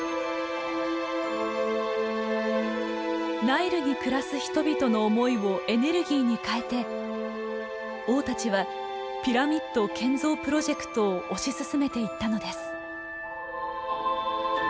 ナイルに暮らす人々の思いをエネルギーに変えて王たちはピラミッド建造プロジェクトを推し進めていったのです。